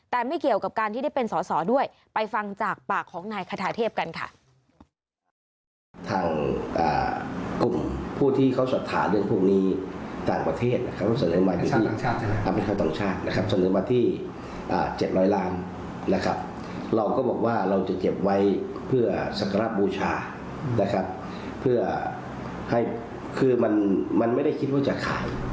แต่ไม่เกี่ยวกับการที่ได้เป็นสอสอด้วยไปฟังจากปากของนายคาทาเทพกันค่ะ